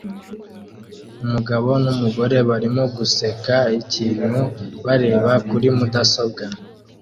Umugabo numugore barimo guseka ikintu bareba kuri mudasobwa